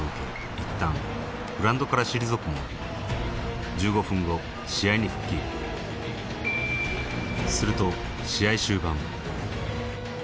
いったんグラウンドから退くも１５分後試合に復帰すると試合